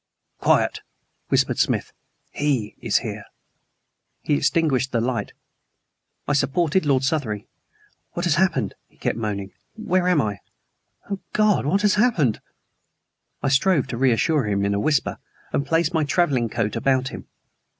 "Quiet," whispered Smith; "HE is here." He extinguished the light. I supported Lord Southery. "What has happened?" he kept moaning. "Where am I? Oh, God! what has happened?" I strove to reassure him in a whisper, and placed my traveling coat about him.